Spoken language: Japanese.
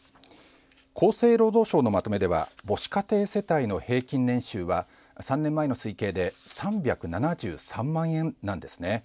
厚生労働省のまとめでは母子家庭世帯の平均年収は３年前の推計で３７３万円です。